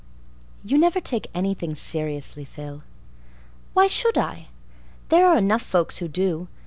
"You never take anything seriously, Phil." "Why should I? There are enough folks who do.